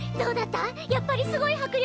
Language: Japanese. やっぱりすごいはくりょく？